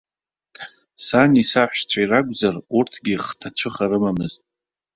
Сани саҳәшьцәеи ракәзар, урҭгьы хҭацәыха рымамызт.